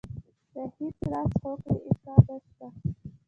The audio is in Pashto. د هېڅ راز هوکړې امکان نه شته.